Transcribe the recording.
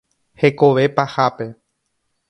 Hekove pahápe.